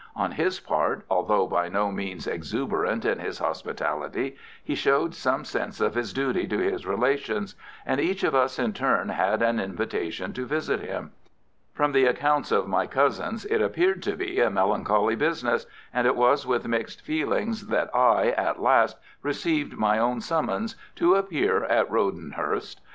On his part, although by no means exuberant in his hospitality, he showed some sense of his duty to his relations, and each of us in turn had an invitation to visit him. From the accounts of my cousins it appeared to be a melancholy business, and it was with mixed feelings that I at last received my own summons to appear at Rodenhurst.